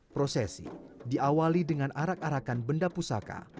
prosesi diawali dengan arak arakan benda pusaka